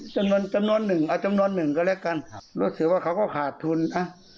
จำนวนหนึ่งก็เล็กกันรู้สึกว่าเขาก็ขาดทุนนะ